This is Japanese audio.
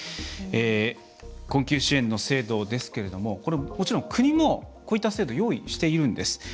困窮支援の制度ですけどももちろん国も、こういった制度用意しているんです。